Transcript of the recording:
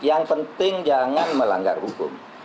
yang penting jangan melanggar hukum